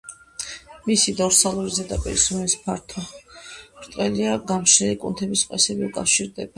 მისი დორსალურ ზედაპირს, რომელიც ფართო და ბრტყელია, გამშლელი კუნთების მყესები უკავშირდება.